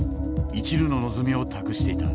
いちるの望みを託していた。